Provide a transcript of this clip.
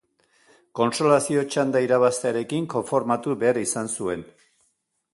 Kontsolazio txanda irabaztearekin konformatu behar izan zuen.